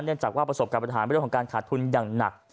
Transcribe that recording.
ได้จับว่าการประสบการณ์ปันทางไม่เรียกว่าขาดทุนอย่างหนัก